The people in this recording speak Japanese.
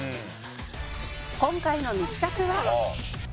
「今回の密着は」